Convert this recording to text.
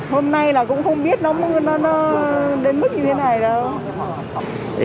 hôm nay là cũng không biết nó đến mức như thế này đâu ạ